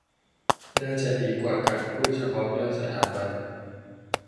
น่าจะดีกว่าการพูดเฉพาะเรื่องสถาบัน